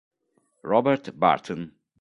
Robert Burton